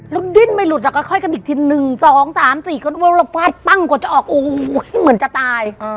แล้วดิ้นไม่หลุดแล้วก็ค่อยกันอีกที๑๒๓๔ก็เราฟาดปั้งกว่าจะออกโอ้โหเหมือนจะตาย